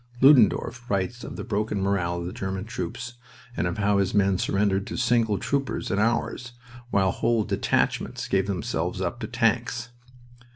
Ludendorff writes of the broken morale of the German troops, and of how his men surrendered to single troopers of ours, while whole detachments gave themselves up to tanks.